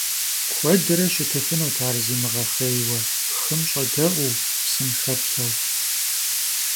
Куэдрэ щытыфынут ар зимыгъэхъейуэ хым щӏэдэӏуу, псым хэплъэу.